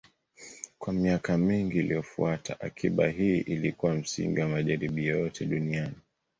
Kwa miaka mingi iliyofuata, akiba hii ilikuwa msingi wa majaribio yote duniani.